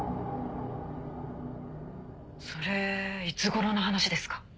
それいつ頃の話ですか？